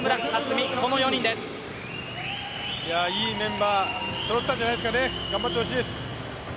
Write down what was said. いいメンバーそろったんじゃないですかね、頑張ってほしいです。